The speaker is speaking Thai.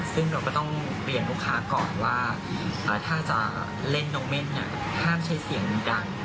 ซึ่งเราก็ต้องเปลี่ยนลูกค้าก่อนว่าถ้าจะเล่นนกเม่นห้ามใช้เสียงดัง